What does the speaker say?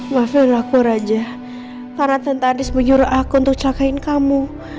maafin aku raja karena tante aris menyuruh aku untuk celakain kamu